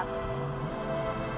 masa obat ruiz sudah nangkep